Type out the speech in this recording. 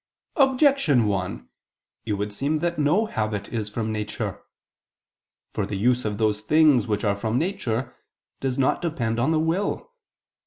Objection 1: It would seem that no habit is from nature. For the use of those things which are from nature does not depend on the will.